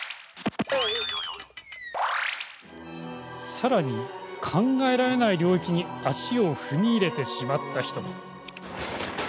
さらに、考えられない領域に足を踏み入れてしまった人も。